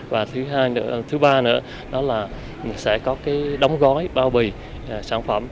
và thứ ba nữa là sẽ có đóng gói bao bì sản phẩm